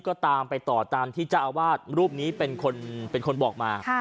ก็ตามไปต่อตามที่เจ้าอาวาสรูปนี้เป็นคนบอกมา